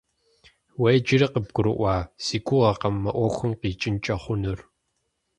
Уэ иджыри къыбгурыӀуа си гугъэкъым мы Ӏуэхум къикӀынкӀэ хъунур.